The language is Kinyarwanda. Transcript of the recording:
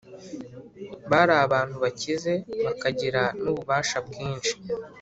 bari abantu bakize, bakagira n’ububasha bwinshi,